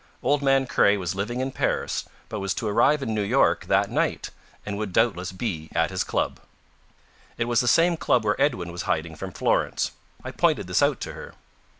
Old man Craye was living in Paris, but was to arrive in New York that night, and would doubtless be at his club. It was the same club where Edwin was hiding from Florence. I pointed this out to her.